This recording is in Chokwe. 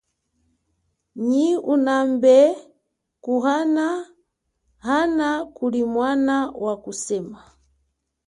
Nyi unambe kuhana hana kulimwana wakusema.